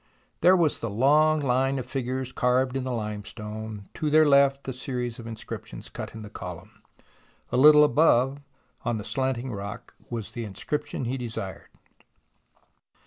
There was the long line of figures carved in the limestone, to their left the series of inscriptions cut in column, A little above, on the slanting rock, was the inscription he desired.